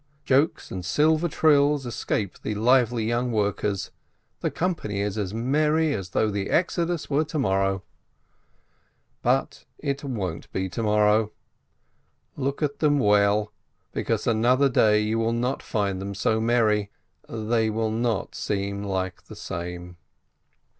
Jokes and silver trills escape the lively young workers, the company is as merry as though the Exodus were to mor row. But it won't be to morrow. Look at them well, because another day you will not find them so merry, they will not seem like the same.